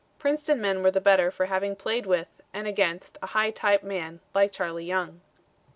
Princeton men were the better for having played with and against a high type man like Charlie Young.